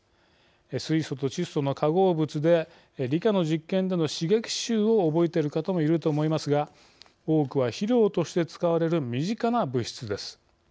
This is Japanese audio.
水素と窒素の化合物で理科の実験での刺激臭を覚えている方もいると思いますが多くは肥料として使われる身近な物質です。